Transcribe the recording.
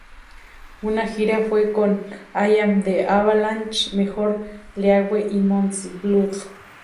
Una gira fue con I Am the Avalanche, Major League, y Moose Blood.